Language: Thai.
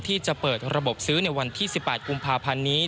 ที่จะเปิดระบบซื้อในวันที่๑๘กุมภาพันธ์นี้